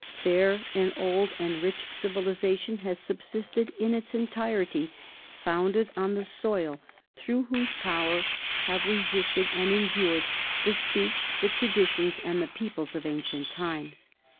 There an old and rich civilization has subsisted in its entirety, founded on the soil, through whose power have resisted and endured the speech, the traditions, and the peoples of ancient times."